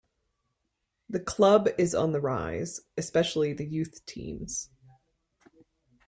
The club is on the rise, especially the youth teams.